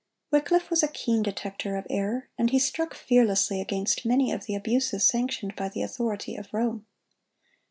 Wycliffe was a keen detector of error, and he struck fearlessly against many of the abuses sanctioned by the authority of Rome.